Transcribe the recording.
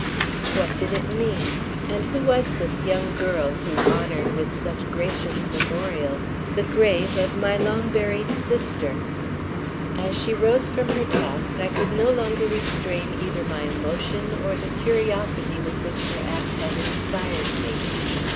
What did it mean, and who was this young girl who honored with such gracious memorials the grave of my long buried sister? As she rose from her task I could no longer restrain either my emotion or the curiosity with which her act had inspired me.